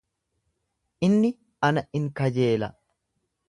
Inni ana in kajeela.